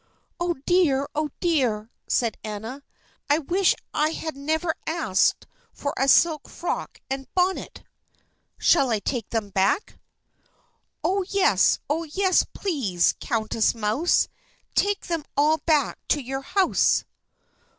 "Oh dear! oh dear!" said Anna; "I wish I had never asked for a silk frock and bonnet." "Shall I take them back?" "Oh yes! oh yes! please, Countess Mouse, Take them all back to your house."